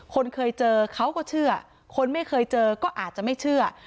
คนเคยเจอเขาก็เชื่อคนไม่เคยเจอก็อาจจะไม่เชื่อ